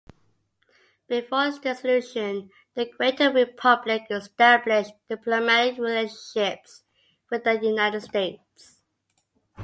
Before its dissolution, the Greater Republic established diplomatic relationships with the United States.